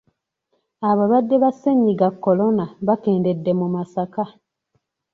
Abalwadde ba ssennyiga kolona bakendedde mu Masaka.